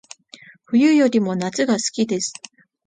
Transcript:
冬よりも夏が好きです